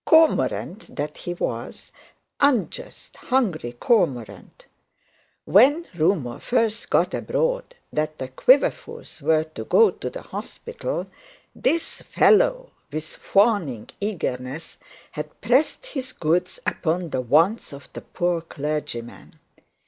Cormorant that he was, unjust, hungry cormorant! When rumour first got abroad that the Quiverfuls were to go to the hospital this fellow with fawning eagerness had pressed his goods upon the wants of the poor clergyman.